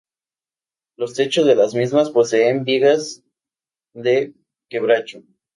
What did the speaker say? Los techos de las mismas poseen vigas de quebracho.